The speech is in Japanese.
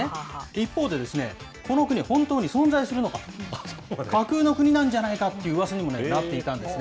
一方で、この国は本当に存在するのか、架空の国なんじゃないかっていううわさにもなっていたんですね。